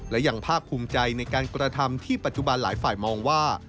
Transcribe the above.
และยังภาคภูมิใจในการกระทำที่ปัจจุบันหลายฝ่ายมองว่า